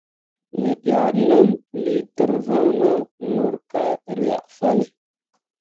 Me ʼyah nəm liiter voŋno mok ka ryah fanne.